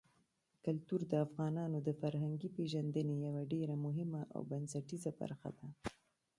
کلتور د افغانانو د فرهنګي پیژندنې یوه ډېره مهمه او بنسټیزه برخه ده.